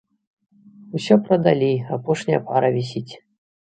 Усё прадалі, апошняя пара вісіць.